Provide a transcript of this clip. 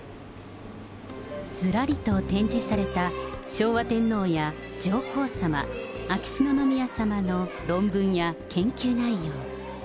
ずらりと展示された、昭和天皇や上皇さま、秋篠宮さまの論文や研究内容。